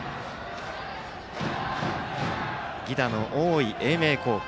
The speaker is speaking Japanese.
犠打の多い英明高校。